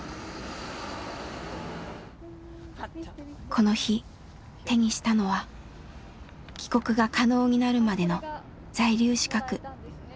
この日手にしたのは帰国が可能になるまでの在留資格。